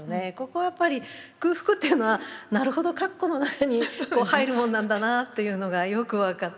ここやっぱり空腹っていうのはなるほど括弧の中に入るもんなんだなっていうのがよく分かりましたね。